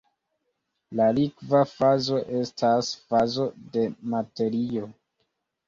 La "likva fazo" estas fazo de materio.